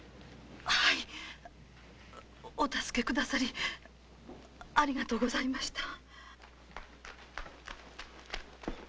はいお助け下さりありがとうございました。